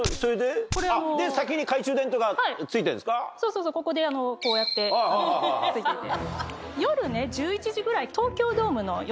そうそうここでこうやって付いてて。